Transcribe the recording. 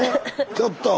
ちょっと！